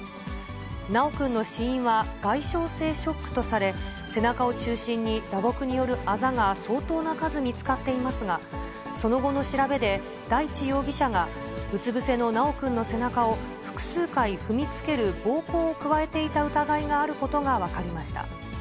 修くんの死因は、外傷性ショックとされ、背中を中心に、打撲によるあざが相当な数見つかっていますが、その後の調べで、大地容疑者がうつ伏せの修くんの背中を複数回踏みつける暴行を加えていた疑いがあることが分かりました。